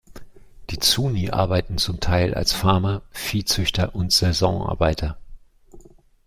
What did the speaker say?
Die Zuñi arbeiten zum Teil als Farmer, Viehzüchter und Saisonarbeiter.